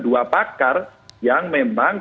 dua pakar yang memang